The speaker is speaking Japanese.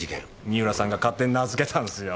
三浦さんが勝手に名付けたんすよ。